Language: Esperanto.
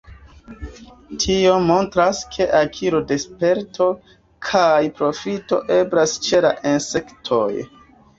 Tio montras, ke akiro de sperto kaj profito eblas ĉe la insektoj.